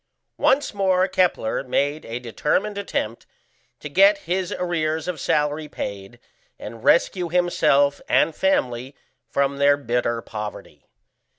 Once more Kepler made a determined attempt to get his arrears of salary paid, and rescue himself and family from their bitter poverty.